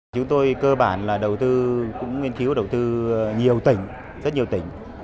chúng tôi cơ bản là đầu tư cũng nghiên cứu đầu tư nhiều tỉnh rất nhiều tỉnh